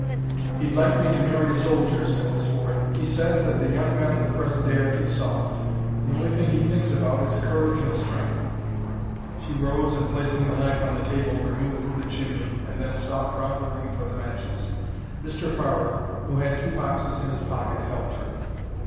"He'd like me to marry a soldier," said Miss Ward. "He says that the young men of the present day are too soft. The only thing he thinks about is courage and strength." She rose and, placing the lamp on the table, removed the chimney, and then sought round the room for the matches. Mr. Farrer, who had two boxes in his pocket, helped her.